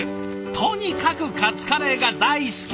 とにかくカツカレーが大好き！